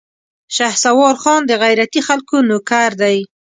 شهسوار خان د غيرتي خلکو نوکر دی.